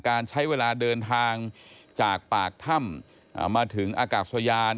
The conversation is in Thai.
การใช้เวลาเดินทางจากปากถ้ำมาถึงอากาศยาน